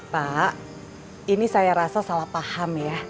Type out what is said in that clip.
pak ini saya rasa salah paham ya